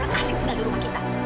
dia kan asli tinggal di rumah kita